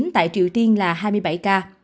tại triều tiên là hai mươi bảy ca